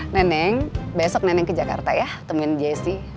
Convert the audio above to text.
neneng besok neneng ke jakarta ya temuin jessy